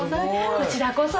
こちらこそ。